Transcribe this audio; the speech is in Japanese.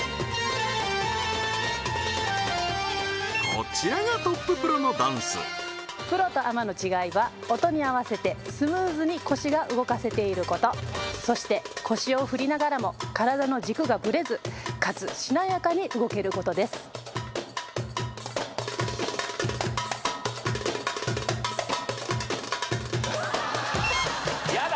こちらがトッププロのダンスプロとアマの違いは音に合わせてスムーズに腰が動かせていることそして腰を振りながらも体の軸がブレずかつしなやかに動けることですやだ